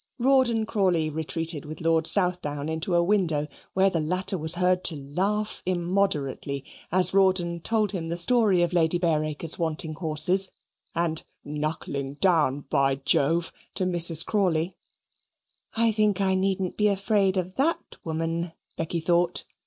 Rawdon Crawley retreated with Lord Southdown into a window, where the latter was heard to laugh immoderately, as Rawdon told him the story of Lady Bareacres wanting horses and "knuckling down by Jove," to Mrs. Crawley. "I think I needn't be afraid of THAT woman," Becky thought.